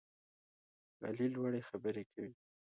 علي لوړې خبرې کوي.